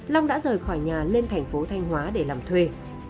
long đã rời khỏi nhà lên thành phố thanh hóa để làm thuê